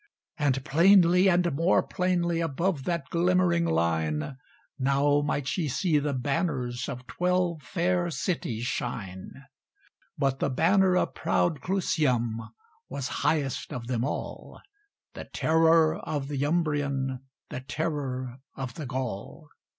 And plainly and more plainly Above that glimmering line Now might ye see the banners Of twelve fair cities shine; But the banner of proud Clusium Was highest of them all, The terror of the Umbrian, The terror of the Gaul.